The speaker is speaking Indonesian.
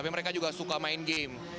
tapi mereka juga suka main game